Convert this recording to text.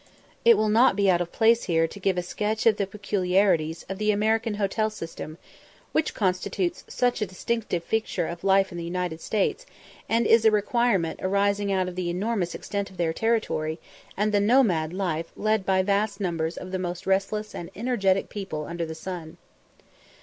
It will not be out of place here to give a sketch of the peculiarities of the American hotel system, which constitutes such a distinctive feature of life in the States, and is a requirement arising out of the enormous extent of their territory, and the nomade life led by vast numbers of the most restless and energetic people under the sun.